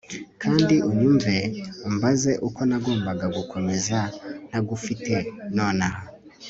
kandi unyumve umbaze uko nagombaga gukomeza ntagufite nonaha